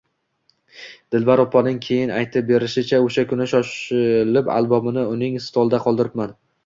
Dilbar opaning keyin aytib berishicha, o`sha kuni shoshilib albomimni uning stolida qoldiribman